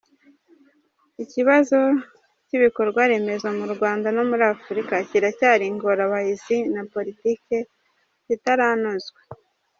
Ikibazo cy’ibikorwaremezo mu Rwanda no muri Afurika kiracyari ingorabahizi na politiki zitaranozwa.